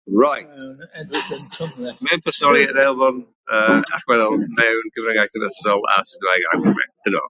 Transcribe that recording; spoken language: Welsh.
Mae personoli yn elfen allweddol mewn cyfryngau cymdeithasol a systemau argymhellwyr.